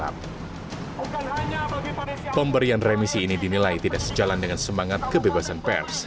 pemberian remisi ini dinilai tidak sejalan dengan semangat kebebasan pers